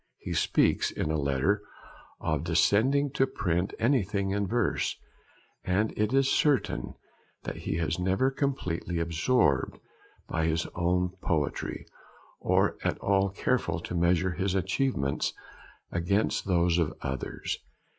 He speaks, in a letter, of 'descending to print anything in verse'; and it is certain that he was never completely absorbed by his own poetry, or at all careful to measure his achievements against those of others.